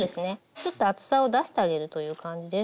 ちょっと厚さを出してあげるという感じです。